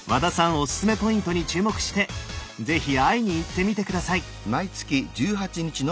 オススメポイントに注目して是非会いに行ってみて下さい。